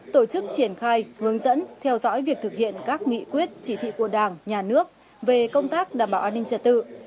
tổ chức triển khai hướng dẫn theo dõi việc thực hiện các nghị quyết chỉ thị của đảng nhà nước về công tác đảm bảo an ninh trật tự